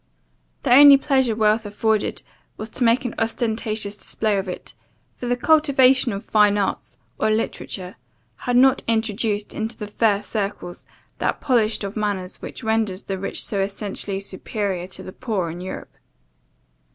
The only pleasure wealth afforded, was to make an ostentatious display of it; for the cultivation of the fine arts, or literature, had not introduced into the first circles that polish of manners which renders the rich so essentially superior to the poor in Europe.